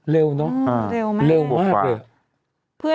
เร็วเนอะเร็วมาก